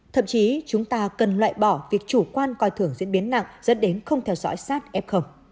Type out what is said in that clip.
thậm chí chúng ta cần loại bỏ việc chủ quan coi thưởng diễn biến nặng dẫn đến không theo dõi sát f